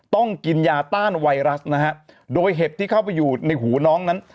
ต้องกินยาต้านไวรัสนะฮะโดยเห็ดที่เข้าไปอยู่ในหูน้องนั้น